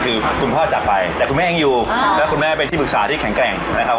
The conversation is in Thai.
คือคุณพ่อจากไปแต่คุณแม่ยังอยู่แล้วคุณแม่เป็นที่ปรึกษาที่แข็งแกร่งนะครับ